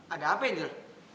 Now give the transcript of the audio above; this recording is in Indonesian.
ada apa angel